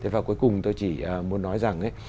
và cuối cùng tôi chỉ muốn nói rằng